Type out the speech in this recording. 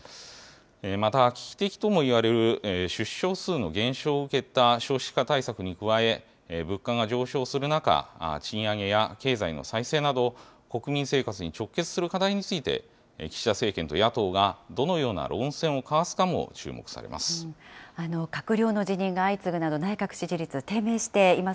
また、危機的ともいわれる出生数の減少を受けた少子化対策に加え、物価が上昇する中、賃上げや経済の再生など、国民生活に直結する課題について、岸田政権と野党がどのような論戦を交わすかも注目されます。